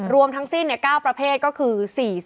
รวมทั้งสิ้น๙ประเภทก็คือ๔๐